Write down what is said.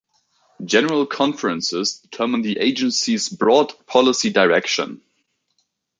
General Conferences determine their Agency's broad policy direction.